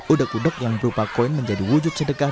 udeg udeg yang berupa koin menjadi wujud sedekah